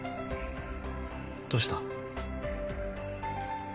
どうした？